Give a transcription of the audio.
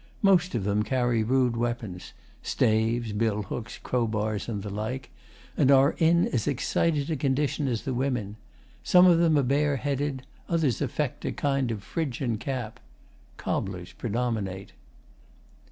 Most of them carry rude weapons staves, bill hooks, crow bars, and the like and are in as excited a condition as the women. Some of them are bare headed, others affect a kind of Phrygian cap. Cobblers predominate.